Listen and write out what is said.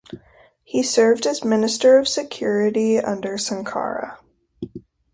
He had served as Minister of Security under Sankara.